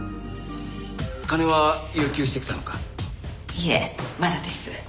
いえまだです。